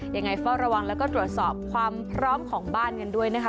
ยังไงเฝ้าระวังแล้วก็ตรวจสอบความพร้อมของบ้านกันด้วยนะคะ